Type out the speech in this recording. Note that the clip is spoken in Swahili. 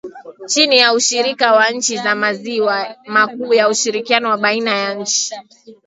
chini ya ushirika wa nchi za maziwa makuu na ushirikiano wa baina ya nchi